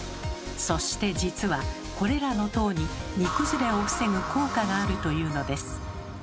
そして実はこれらの糖に煮崩れを防ぐ効果があるというのです。